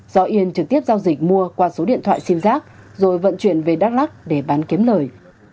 rõ yên trực tiếp giao dịch mua qua số điện thoại xin giác rồi vận chuyển về đắk lóc để bán kiếm lời